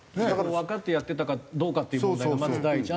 わかってやってたかどうかっていう問題がまず第一。